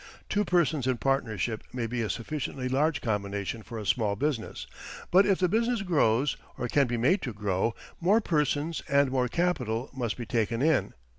Two persons in partnership may be a sufficiently large combination for a small business, but if the business grows or can be made to grow, more persons and more capital must be taken in.